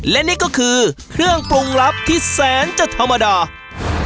และนี่ก็คือเครื่องปรุงลับที่แสนจะธรรมดา